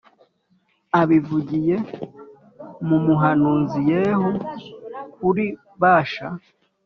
abivugiye mu muhanuzi Yehu kuri Bāsha